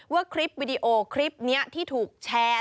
คลิปวิดีโอคลิปนี้ที่ถูกแชร์